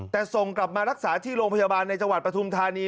แต่ส่งกลับมารักษาที่โรงพยาบาลในจังหวัดปฐุมธานี